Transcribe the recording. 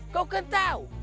kau kan tau